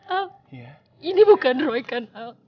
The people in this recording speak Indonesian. al ini bukan roy kan al